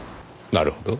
なるほど。